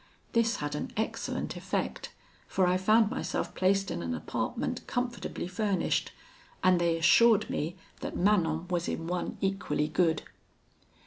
This had an excellent effect, for I found myself placed in an apartment comfortably furnished, and they assured me that Manon was in one equally good.